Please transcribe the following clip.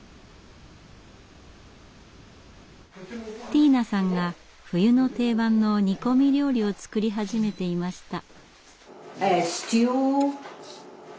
ティーナさんが冬の定番の煮込み料理を作り始めていました。